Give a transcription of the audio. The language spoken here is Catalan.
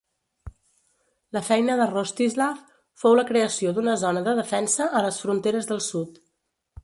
La feina de Rostislav fou la creació d'una zona de defensa a les fronteres del sud.